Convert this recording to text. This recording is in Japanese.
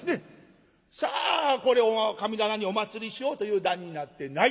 さあこれを神棚にお祭りしようという段になってない。